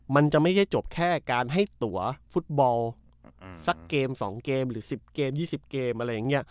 มันจะไม่ใช่จบแค่การให้ตัวฟุตบอลสักเกม๒เกมหรือ๑๐เกม๒๐เกมอะไรอย่างนี้